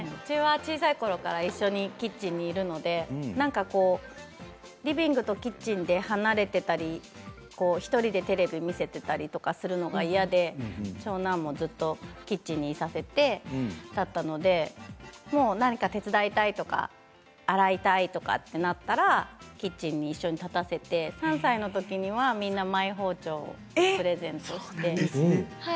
小さいころから一緒にキッチンにいるのでリビングとキッチンで離れていたり、１人でテレビを見せていたりするのが嫌で長男もずっとキッチンにいさせてだったので何か手伝いたいとか洗いたいとかなったらキッチンに一緒に立たせて３歳のときにはみんなにマイ包丁をプレゼントしました。